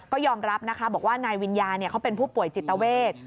ก็ยอมรับนะคะบอกว่านายวิญญาเขาเป็นผู้ป่วยจิตเวท